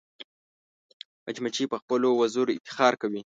مچمچۍ په خپلو وزرو افتخار کوي